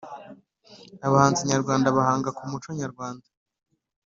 Abahanzi nyarwanda bahanga kumuco nyarwanda